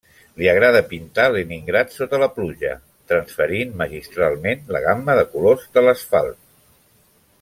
Li agrada pintar Leningrad sota la pluja, transferint magistralment la gamma de colors de l'asfalt.